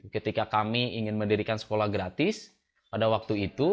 ketika kami ingin mendirikan sekolah gratis pada waktu itu